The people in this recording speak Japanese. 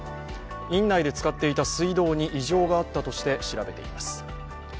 院内で使っていた水道に異常があったとして調べています。